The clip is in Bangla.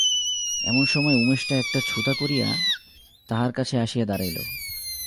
এমন সময় উমেশটা একটা ছুতা করিয়া তাহার কাছে আসিয়া দাঁড়াইল।